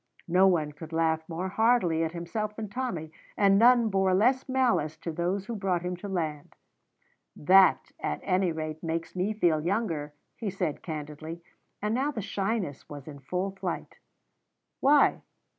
No one could laugh more heartily at himself than Tommy, and none bore less malice to those who brought him to land. "That, at any rate, makes me feel younger," he said candidly; and now the shyness was in full flight. "Why?"